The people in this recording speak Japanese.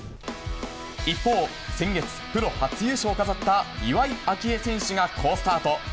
一方、先月、プロ初優勝を飾った岩井明愛選手が好スタート。